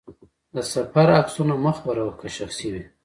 د سفر عکسونه مه خپره وه، که شخصي وي.